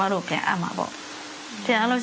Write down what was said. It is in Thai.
ท่านประธานครับนี่คือสิ่งที่สุดท้ายของท่านครับ